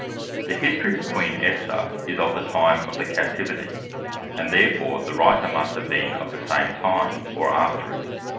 Esther The History of Queen Esther is of the time of the Captivity; and therefore the Writer must have been of the same time, or after it.